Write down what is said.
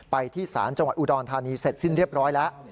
ที่ศาลจังหวัดอุดรธานีเสร็จสิ้นเรียบร้อยแล้ว